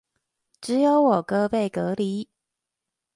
只有我哥被隔離